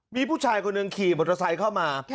มีผู้ชายคนหนึ่งขี่มอเตอร์ไซค์เข้ามา